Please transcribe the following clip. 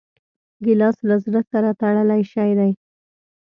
ګیلاس له زړه سره تړلی شی دی.